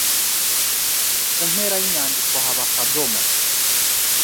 ku mpera y‟inyandiko haba akadomo